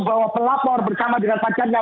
bahwa pelapor bersama dengan pacarnya